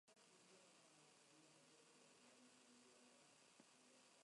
El resultado fue "Wild Life", el primer proyecto acreditado a nombre de "Wings".